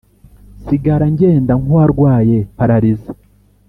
nsigara ngenda nk` uwarwaye palarise,